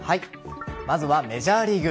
まずはメジャーリーグ。